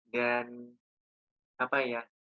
dan apa ya